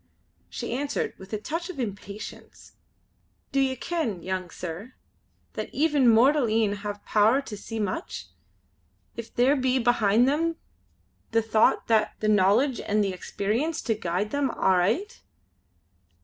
She answered with a touch of impatience: "Do ye ken, young sir, that even mortal een have power to see much, if there be behind them the thocht, an' the knowledge and the experience to guide them aright.